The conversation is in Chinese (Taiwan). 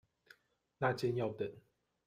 那間要等